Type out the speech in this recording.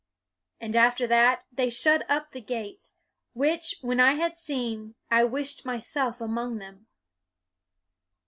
1 " And after that, they shut up the gates; which, w r hen I had seen, I wished myself among them."